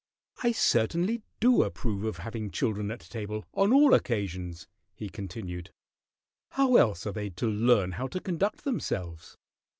"I certainly do approve of having children at table on all occasions," he continued. "How else are they to learn how to conduct themselves?